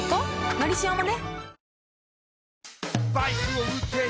「のりしお」もね